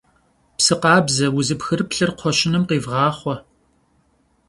Psı khabze, vuzıpxırıplhır kxhueşınım khivğaxhue.